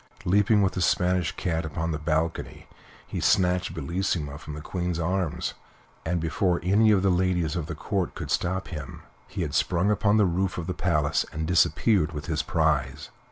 Leaping with his Spanish cat upon the balcony, he snatched Bellissima from the Queen's arms, and before any of the ladies of the Court could stop him he had sprung upon the roof of the palace and disappeared with his prize.